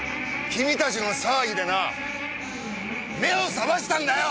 君たちの騒ぎでな目を覚ましたんだよ！